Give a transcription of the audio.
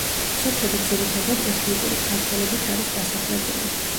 სოფელი ძირითადად ეთნიკური ქართველებით არის დასახლებული.